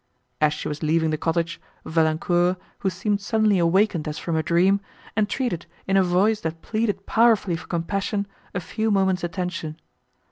As she was leaving the cottage, Valancourt, who seemed suddenly awakened as from a dream, entreated, in a voice, that pleaded powerfully for compassion, a few moments attention.